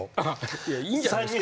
いやいいんじゃないですか？